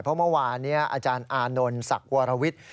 เพราะเมื่อวานนี้อาจารย์อานนท์ศักดิ์วรวิทย์